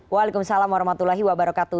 waalaikumsalam warahmatullahi wabarakatuh